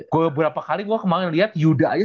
beberapa kali gue kemarin liat yuda aja